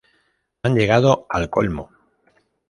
Han llegado al colmo.